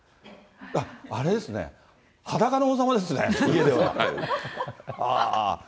あれですね、裸の王様ですね、家では。